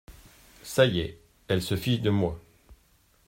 Ca y est ! elle se fiche de moi !